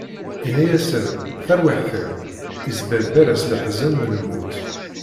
Inna-asen: Taṛwiḥt-iw, isberber-as leḥzen n lmut.